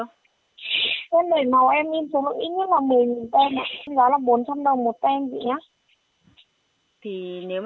là bốn triệu